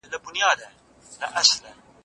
د چاپیریال ساتنه زموږ اخلاقي دنده ده.